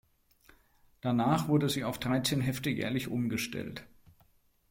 Danach wurde sie auf dreizehn Hefte jährlich umgestellt.